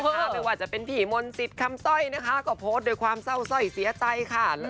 ไม่ว่าจะเป็นพี่มนต์สิทธิ์คำสร้อยนะคะก็โพสต์ด้วยความเศร้าสร้อยเสียใจค่ะ